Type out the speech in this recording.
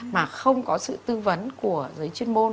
mà không có sự tư vấn của giới chuyên môn